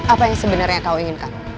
apa yang sebenarnya kau inginkan